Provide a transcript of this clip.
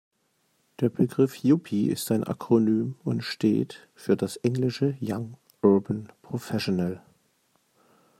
Der Begriff Yuppie ist ein Akronym und steht für das englische young urban professional.